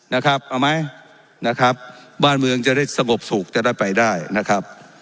นะครับเอาไหมนะครับบ้านเมืองจะได้สงบสุขจะได้ไปได้นะครับ